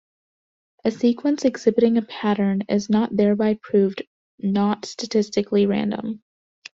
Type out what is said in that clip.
A sequence exhibiting a pattern is not thereby proved not statistically random.